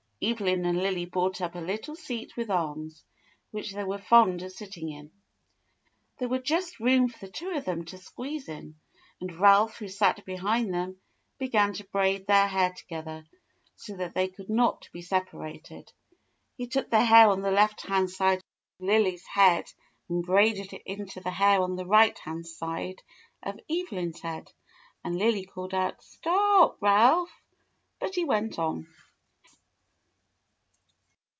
Evelyn and Lily brought up a little seat with arms, which they were fond of sitting in. There was just room for the two of them to squeeze in, and Ralph, who sat behind them, began to braid their hair to gether, so that they could not be separated. He took the hair on the left hand side of Lily's head and braided it into the hair on the right hand side of Eve lyn's head, and Lily called out, "Stop, Ralph!" but he went on.